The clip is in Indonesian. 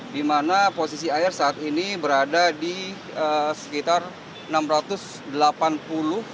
di mana posisi air saat ini berada di sekitar enam ratus delapan puluh